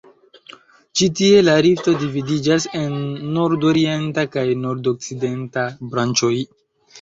Ĉi tie la rifto dividiĝas en nordorienta kaj nordokcidenta branĉoj.